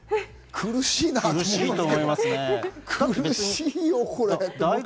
苦しいよ、これ。